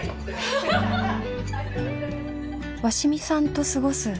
鷲見さんと過ごす